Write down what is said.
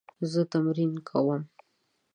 زه تمرین کوم